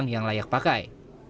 yang layak pakai